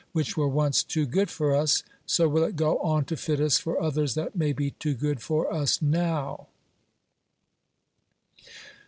895 which were onoe too good for us, so will it go on to fit us for others that may he too good for us now.